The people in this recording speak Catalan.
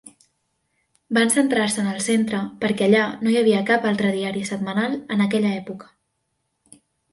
Van centrar-se en el centre perquè allà no hi havia cap altre diari setmanal en aquella època.